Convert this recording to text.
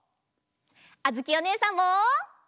あづきおねえさんも！